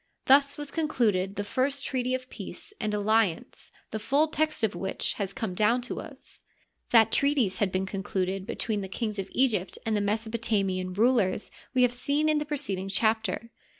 Thus was concluded the first treaty of peace and alliance the full text of which has come down to us. That treaties had been concluded between the kings of Egypt and the Mesopotamian rulers we have seen in the preceding chapter.